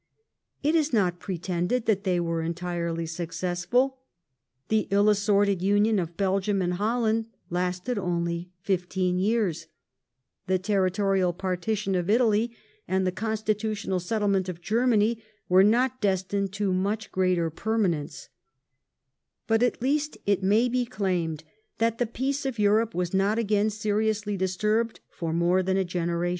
It is not pretended that they were entirely successful : the ill assorted union of Belgium and Holland lasted only fifteen yeai*s ; the territorial partition of Italy, and the constitutional settlement of Germany were not des tined to much greater permanence ; but at least it may be claimed that the peace of Europe was not again seriously disturbed for more than a generation.